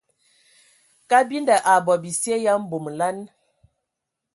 Kabinda a bɔ bisye ya mbomolan.